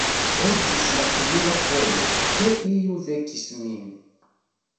Estis la unua fojo, ke iu vekis min.